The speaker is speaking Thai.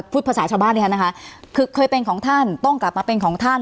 ภาษาชาวบ้านที่ฉันนะคะคือเคยเป็นของท่านต้องกลับมาเป็นของท่าน